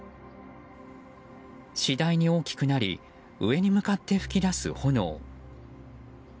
次第に大きくなり上に向かって噴き出す炎。